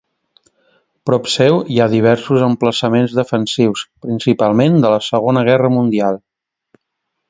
Prop seu hi ha diversos emplaçaments defensius, principalment de la Segona Guerra Mundial.